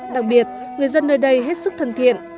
đặc biệt người dân nơi đây hết sức thân thiện